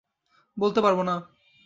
বলতে পারব না।